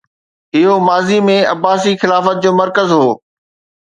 اهو ماضي ۾ عباسي خلافت جو مرڪز هو